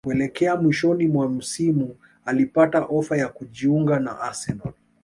kuelekea mwishoni mwa msimu alipata ofa ya kujiunga na Arsenal